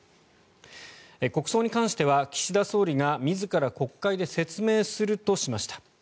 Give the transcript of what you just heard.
国葬に関しては岸田総理が自ら国会で説明するとしました。